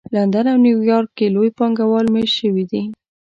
لندن او نیویارک کې لوی پانګه وال مېشت شوي دي